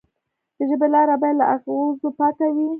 د ژبې لاره باید له اغزو پاکه وي.